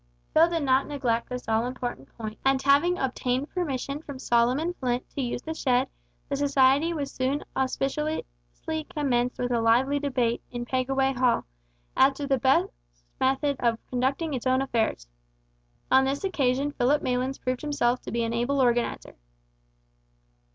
Phil did not neglect this all important point, and, having obtained permission from Solomon Flint to use the shed, the society was soon auspiciously commenced with a lively debate, in Pegaway Hall, as to the best method of conducting its own affairs. On this occasion Philip Maylands proved himself to be an able organiser.